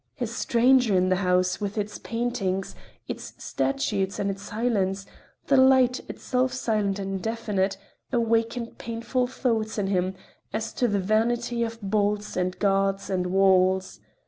A stranger in the house, with its paintings, its statues and its silence, the light—itself silent and indefinite—awakened painful thoughts in him as to the vanity of bolts and guards and walls.